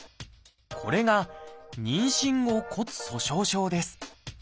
これが「妊娠後骨粗しょう症」です。